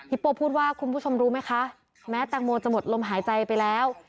โป้พูดว่าคุณผู้ชมรู้ไหมคะแม้แตงโมจะหมดลมหายใจไปแล้ว